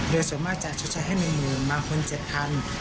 โดยส่วนมากจะชดใช้ให้หมื่นมาคนเจ็บทัน